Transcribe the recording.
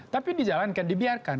tapi dijalankan dibiarkan